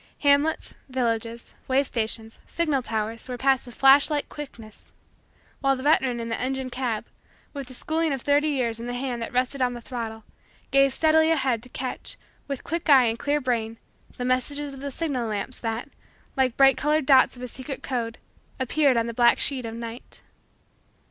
Hamlets, villages, way stations, signal towers, were passed with flash like quickness; while the veteran in the engine cab, with the schooling of thirty years in the hand that rested on the throttle, gazed steadily ahead to catch, with quick eye and clear brain, the messages of the signal lamps that, like bright colored dots of a secret code, appeared on the black sheet of night.